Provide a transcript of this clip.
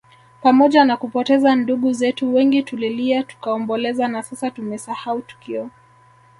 Pamoja na kupoteza ndugu zetu wengi tulilia tukaomboleza na sasa tumesahau tukio